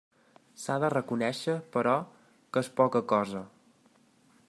S'ha de reconéixer, però, que és poca cosa.